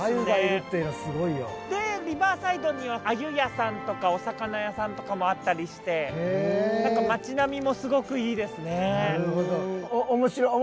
鮎がいるっていうのはすごいよ。でリバーサイドには鮎屋さんとかお魚屋さんとかもあったりして何か町並みもすごくいいですね。